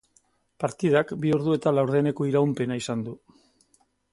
Partidak bi ordu eta laurdeneko iraupena izan du.